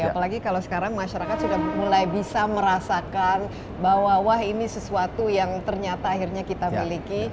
apalagi kalau sekarang masyarakat sudah mulai bisa merasakan bahwa wah ini sesuatu yang ternyata akhirnya kita miliki